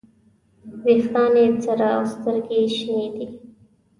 ویښتان یې سره او سترګې یې شنې دي.